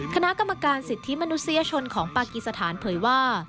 คณะกรรมการสิทธิมนุษยชนของปากีสถานเผยว่า